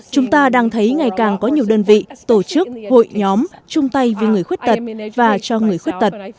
chúng ta đang thấy ngày càng có nhiều đơn vị tổ chức hội nhóm chung tay với người khuyết tật và cho người khuyết tật